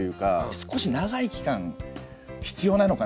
少し長い期間必要なのかなっていう。